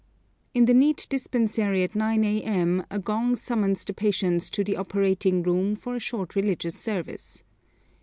In the neat dispensary at 9 a.m. a gong summons the patients to the operating room for a short religious service.